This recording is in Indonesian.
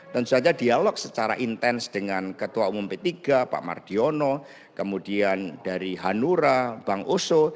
tentu saja dialog secara intens dengan ketua umum p tiga pak mardiono kemudian dari hanura bang oso